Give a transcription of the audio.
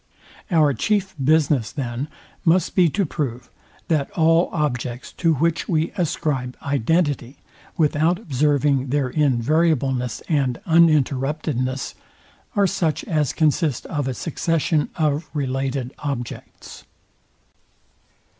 Our chief business, then, must be to prove, that all objects, to which we ascribe identity, without observing their invariableness and uninterruptedness, are such as consist of a succession of related objects.